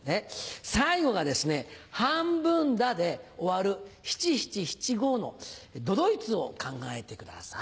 最後がですね「半分だ」で終わる七・七・七・五の都々逸を考えてください。